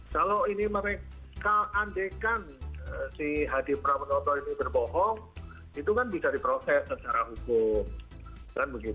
kalau ini mereka andekan si hadi pramonoto ini berbohong itu kan bisa diproses secara hukum